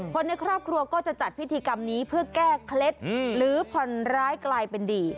คนในครอบครัวก็จะจัดพิธีกรรมนี้เพื่อแก้เคล็ดหรือผ่อนร้ายกลายเป็นดี